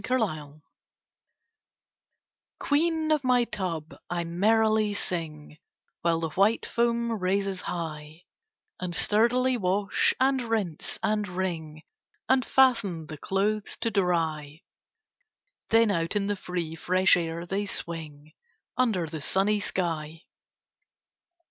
8 Autoplay Queen of my tub, I merrily sing, While the white foam raises high, And sturdily wash, and rinse, and wring, And fasten the clothes to dry; Then out in the free fresh air they swing, Under the sunny sky.